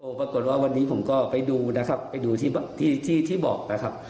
ปรากฏว่าวันนี้ผมก็ไปดูนะครับไปดูที่ที่บอกนะครับ